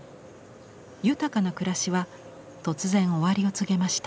豊かな暮らしは突然終わりを告げました。